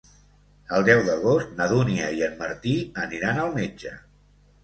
El deu d'agost na Dúnia i en Martí aniran al metge.